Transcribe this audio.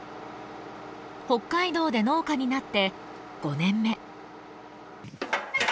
北海道で農家になって５年目。